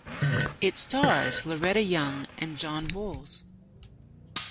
It stars Loretta Young and John Boles.